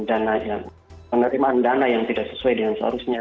dan penerimaan dana yang tidak sesuai dengan seharusnya